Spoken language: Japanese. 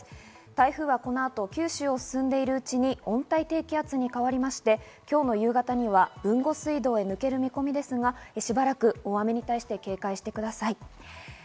台風はこの後、九州を進んでいるうちに温帯低気圧に変わりまして、今日の夕方には豊後水道へ抜ける見込みですが、しばらく大雨に対して警戒してください。